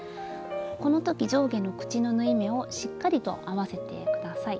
この時上下の口の縫い目をしっかりと合わせて下さい。